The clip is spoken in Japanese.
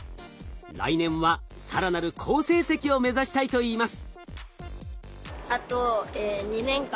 来年は更なる好成績を目指したいと言います。